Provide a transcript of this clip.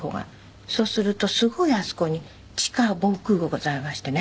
そうするとすごいあそこに地下防空壕がございましてね。